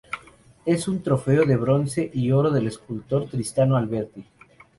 Es un trofeo de bronce y oro del escultor Tristano Alberti.